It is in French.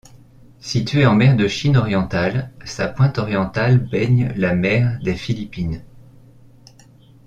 Située en mer de Chine orientale, sa pointe orientale baigne la mer des Philippines.